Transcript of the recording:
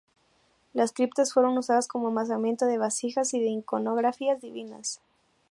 Las criptas fueron usadas como almacenamiento de vasijas y de iconografías divinas.